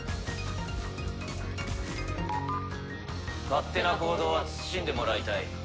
「勝手な行動は慎んでもらいたい」